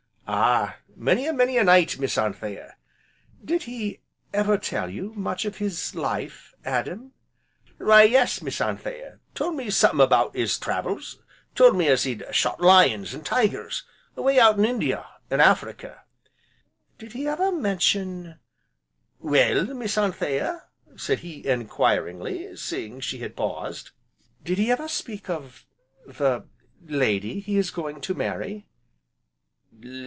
"Ah! many an' many a night, Miss Anthea." "Did he ever tell you much of his life, Adam?" "Why yes, Miss Anthea, told me summat about his travels, told me as he'd shot lions, an' tigers away out in India, an' Africa." "Did he ever mention " "Well, Miss Anthea?" said he enquiringly, seeing she had paused. "Did he ever speak of the lady he is going to marry?"